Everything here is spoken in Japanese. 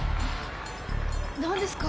何ですか？